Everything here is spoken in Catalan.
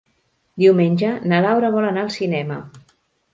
Diumenge na Laura vol anar al cinema.